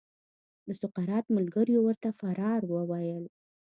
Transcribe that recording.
د سقراط ملګریو ورته د فرار وویل.